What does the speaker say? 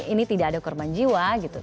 ini tidak ada korban jiwa